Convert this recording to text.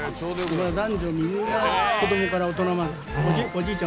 男女みんな子供から大人までおじいちゃん